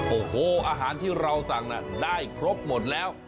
โอ้โหอาหารที่เราสั่งได้ครบหมดแล้ว